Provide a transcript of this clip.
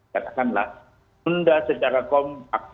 katakanlah menunda secara kompak